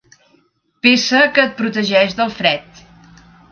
Peça que et protegeix del fred.